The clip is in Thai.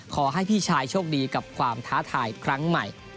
ขอให้พี่ชายโชคดีกับความท้าทายครั้งใหม่